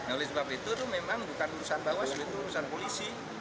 oleh sebab itu memang bukan urusan bawaslu itu urusan polisi